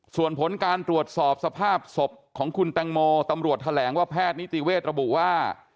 ส่วนผลการตรวจสอบสภาพศพของคุณแตงโมตำรวจแถลงว่าแพทย์นิติเวทย์ระบุว่า